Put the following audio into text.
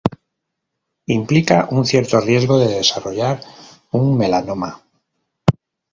Implica un cierto riesgo de desarrollar un melanoma.